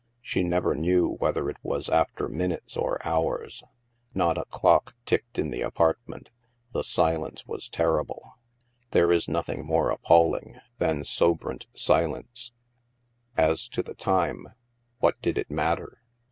She never knew whether it was after minutes or hours. Not a clock ticked in the apartment ; the silence was ter rible. There is nothing more appalling than sob rent silence. As to the time, what did it matter?